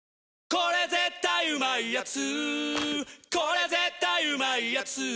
これ絶対うまいやつ」